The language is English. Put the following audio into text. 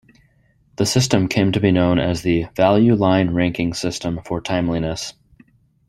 The system came to be known as the "Value Line Ranking System for Timeliness".